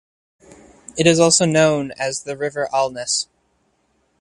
It is also known as the River Alness.